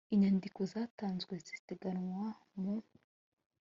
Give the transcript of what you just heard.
inyandiko zatanzwe ziteganywa mu